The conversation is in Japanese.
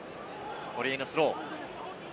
堀江のスロー。